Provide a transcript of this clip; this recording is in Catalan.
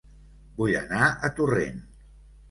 Vull anar a Torrent